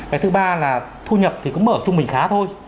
cái thứ ba là thu nhập thì cũng mở trung bình khá thôi